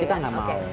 kita tidak mau